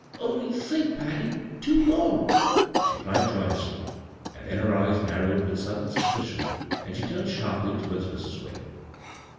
Only think, Patty — two more !" she cried joyously ; then her eyes narrowed with sudden suspicion, and she turned sharply towards Mrs. Whalen.